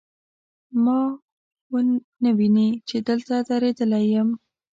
ما نه ویني، چې دلته دریدلی یم